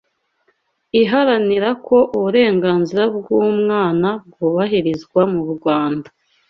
iharanira ko uburenganzira bw’umwana bwubahirizwa mu Rwanda